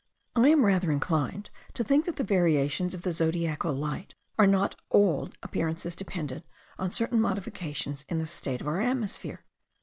I am rather inclined to think that the variations of the zodiacal light are not all appearances dependent on certain modifications in the state of our atmosphere.